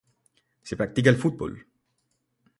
Se practica el fútbol.